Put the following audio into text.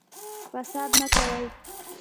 فساد مه کوئ